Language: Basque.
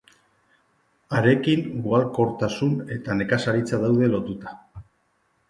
Harekin ugalkortasun eta nekazaritza daude lotuta.